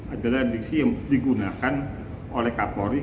adalah diksi yang digunakan oleh kapolri